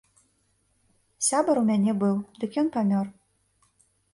Сябар у мяне быў, дык ён памёр.